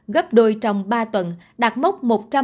gấp đôi trong ba tuần đạt mốc một trăm ba mươi năm năm trăm linh